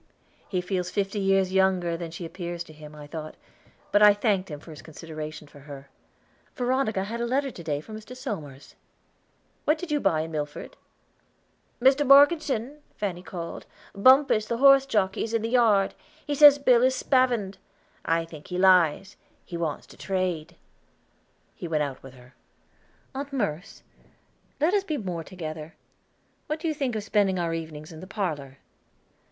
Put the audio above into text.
"He feels fifty years younger than she appears to him," I thought; but I thanked him for his consideration for her. "Veronica has had a letter to day from Mr. Somers. What did you buy in Milford?" "Mr. Morgeson," Fanny called, "Bumpus, the horse jockey, is in the yard. He says Bill is spavined. I think he lies; he wants to trade." He went out with her. "Aunt Merce, let us be more together. What do you think of spending our evenings in the parlor?"